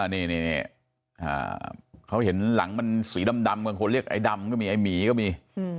นี่เขาเห็นหลังมันสีดำบางคนเรียกไอ้ดำก็มีไอ้หมีก็มี